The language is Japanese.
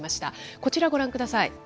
こちらご覧ください。